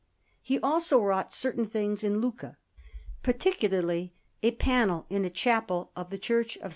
He also wrought certain things in Lucca, particularly a panel in a chapel of the Church of S.